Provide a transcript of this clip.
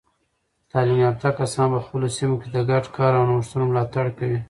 تعلیم یافته کسان په خپلو سیمو کې د ګډ کار او نوښتونو ملاتړ کوي.